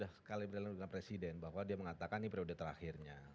jadi saya kira ini sudah kalibralan dengan presiden bahwa dia mengatakan ini periode terakhirnya